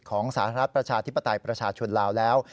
ของสหรัฐประชาธิปไตยประชาชนลาวแล้ว